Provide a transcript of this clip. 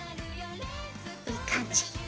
いい感じ。